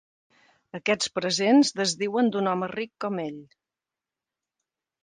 Aquests presents desdiuen d'un home ric com ell.